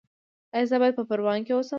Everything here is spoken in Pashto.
ایا زه باید په پروان کې اوسم؟